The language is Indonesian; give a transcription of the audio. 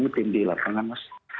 mungkin di lapangan mas